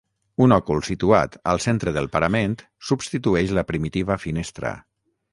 Un òcul situat al centre del parament substitueix la primitiva finestra.